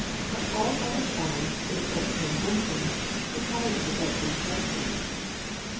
At all other times except when hunting he carried it about his person.